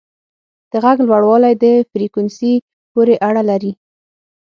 د غږ لوړوالی د فریکونسي پورې اړه لري.